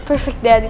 terima kasih daddy